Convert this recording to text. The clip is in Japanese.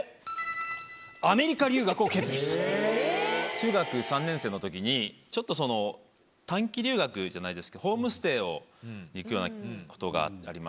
中学３年生のときにちょっとその短期留学じゃないですけどホームステイを行くようなことがありまして。